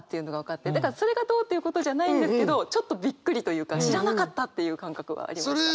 だからそれがどうということじゃないんですけどちょっとびっくりというか知らなかったっていう感覚はありました。